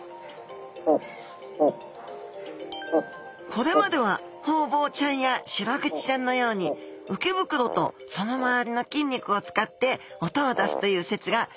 これまではホウボウちゃんやシログチちゃんのように鰾とその周りの筋肉を使って音を出すという説が有力でした